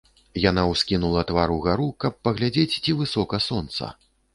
Яна ўскінула твар угару, каб паглядзець, ці высока сонца.